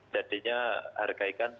jadinya harga ikan